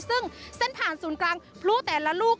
ซึ่งเส้นผ่านศูนย์กลางพลุแต่ละลูก